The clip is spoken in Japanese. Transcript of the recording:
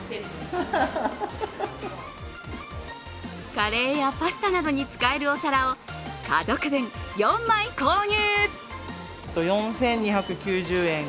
カレーやパスタなどに使えるお皿を家族分４枚購入。